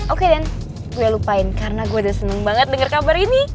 oke dan gue lupain karena gue udah seneng banget denger kabar ini